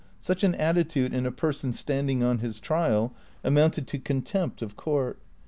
Such an attitude in a person standing on his trial amounted to con tempt of court.